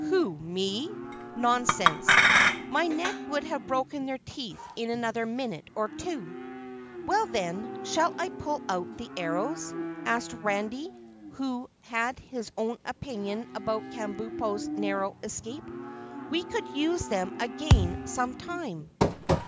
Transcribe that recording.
"Who, ME? Nonsense! My neck would have broken their teeth in another minute or two." "Well, then, shall I pull out the arrows?" asked Randy, who had his own opinion about Kabumpo's narrow escape. "We could use them again some time."